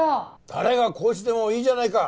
誰がコーチでもいいじゃないか。